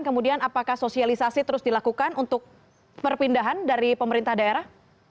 kemudian apakah sosialisasi terus dilakukan untuk perpindahan dari pemerintah daerah